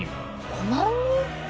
５万人！？